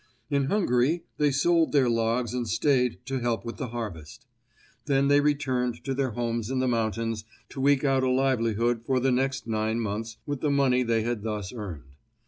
In Hungary they sold their logs and stayed to help with the harvest. Then they returned to their homes in the mountains to eke out a livelihood for the next nine months with the money they had thus earned.